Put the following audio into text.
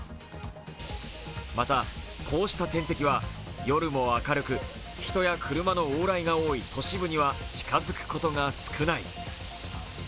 またこうした天敵は夜も明るく、人や車の往来が多い都市部には近づくことが少ない。